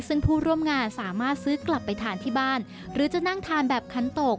ซึ่งผู้ร่วมงานสามารถซื้อกลับไปทานที่บ้านหรือจะนั่งทานแบบคันตก